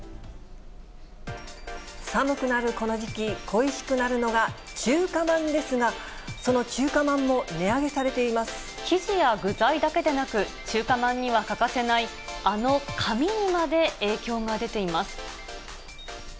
寒くなるこの時期、恋しくなるのが中華まんですが、その中華まんも値上げされていま生地や具材だけでなく、中華まんには欠かせない、あの紙にまで影響が出ています。